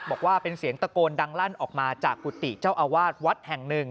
บอกว่าเป็นเสียงตะโกนดังลั่นออกมาจากกุฏิเจ้าอาวาสวัดแห่งหนึ่ง